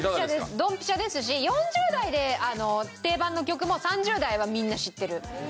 ドンピシャですし４０代で定番の曲も３０代はみんな知ってる。